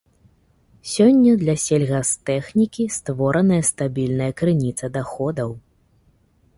Сёння для сельгастэхнікі створаная стабільная крыніца даходаў.